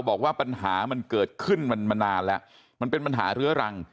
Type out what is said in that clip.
บอกว่าปัญหามันเกิดขึ้นมันมานานแล้วมันเป็นปัญหาเรื้อรัง